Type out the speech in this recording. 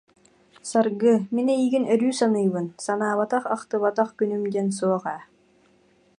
Саргы, мин эйигин өрүү саныыбын, санаабатах-ахтыбатах күнүм диэн суох ээ